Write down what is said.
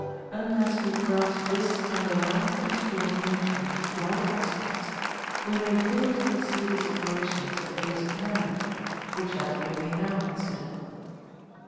Unless we grasp this underlying principle of Nature in its wider aspects we may fail to perceive its operations in the case of man, which latter we may now consider.